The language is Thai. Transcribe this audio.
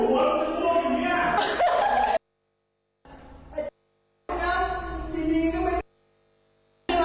หัวหัวอยู่เนี่ย